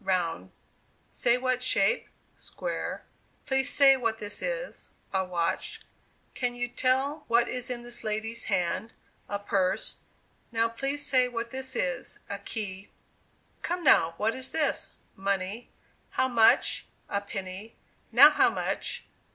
round; "Say what shape," square; "Please say what this is," a watch; "Can you tell what is in this lady's hand?" a purse; "Now please say what this is?" a key; "Come now, what is this?" money; "How much?" a penny; "Now how much?"